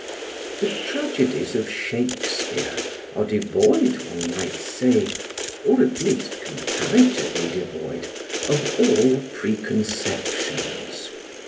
The tragedies of Shakespeare are devoid, one might say, or at least comparatively devoid, of all preconceptions.